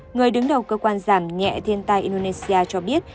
người đứng đầu cơ quan giảm nhẹ thiên tai indonesia cho biết